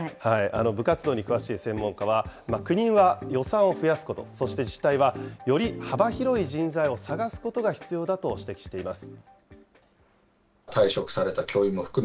部活動に詳しい専門家は、国は予算を増やすこと、そして自治体はより幅広い人材を探すことが必要だと指摘しています。